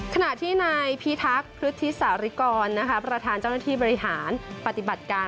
ขณะที่นายพิทักษ์พฤทธิสาริกรประธานเจ้าหน้าที่บริหารปฏิบัติการ